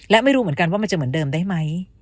และไม่รู้เหมือนกันว่ามันจะเหมือนเดิมได้ไหม